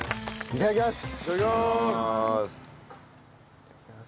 いただきます！